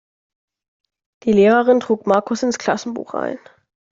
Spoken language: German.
Die Lehrerin trug Markus ins Klassenbuch ein.